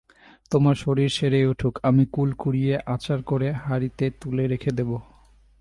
তোমার শরীর সেরে উঠুক, আমি কুল কুড়িয়ে আচার করে হাঁড়িতে তুলে রেখে দেবো।